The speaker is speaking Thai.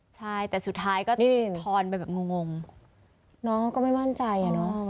ใช่แต่สุดท้ายก็ทอนไปแบบงงน้องเขาก็ไม่มั่นใจอ่ะเนอะ